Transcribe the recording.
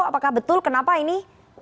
apakah betul kenapa ini